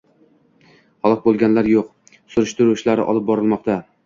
Halok boʻlganlar yoʻq. Surishtiruv ishlari olib borilmoqda.